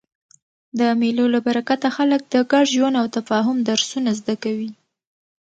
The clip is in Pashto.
د مېلو له برکته خلک د ګډ ژوند او تفاهم درسونه زده کوي.